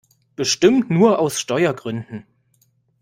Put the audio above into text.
Bestimmt nur aus Steuergründen!